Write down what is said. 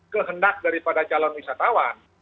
kehendak daripada calon wisatawan